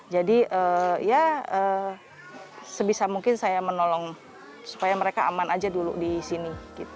jadi ya sebisa mungkin saya menolong supaya mereka aman aja dulu di sini